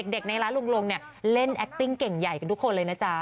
เด็กในร้านลงเล่นแอคติ้งเก่งใหญ่กันทุกคนเลยนะจ๊ะ